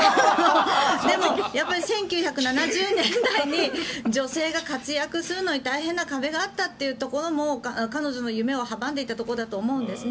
でも、１９７０年代に女性が活躍するのに大変な壁があったというところも彼女の夢を阻んでいたところだと思うんですね。